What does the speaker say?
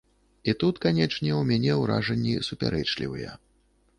І тут, канечне, у мяне ўражанні супярэчлівыя.